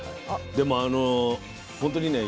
でも本当にね